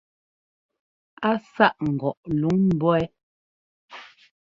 Á sâʼ ŋgɔʼ luŋ mbɔ̌ wɛ.